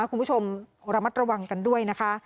คุณผู้ชมระมัดระวังกันด้วยนะคะ